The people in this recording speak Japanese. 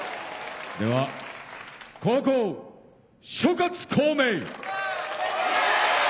では後攻諸葛孔明。